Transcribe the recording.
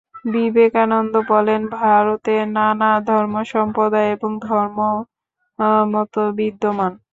বিবেকানন্দ বলেন, ভারতে নানা ধর্মসম্প্রদায় এবং ধর্মমত বিদ্যমান।